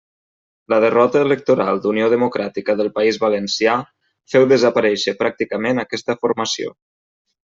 La derrota electoral d'Unió Democràtica del País Valencià féu desaparèixer pràcticament aquesta formació.